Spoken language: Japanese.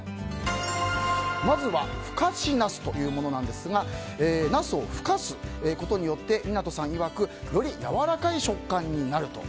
まずは、ふかしナスというのものなんですがナスをふかすことによって湊さんいわくよりやわらかい食感になると。